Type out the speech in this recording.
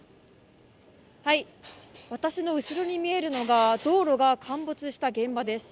私の後ろに見えるのが道路が陥没した現場です